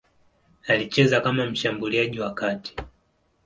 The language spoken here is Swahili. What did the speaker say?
Alicheza kama mshambuliaji wa kati.